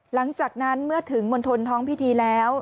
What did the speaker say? หลังจากนั้นเมื่อถึงมณฑลท้องพิธีแล้ว